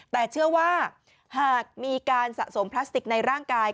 แต่เชื่อว่าหากมีการสะสมพลาสติกในร่างกาย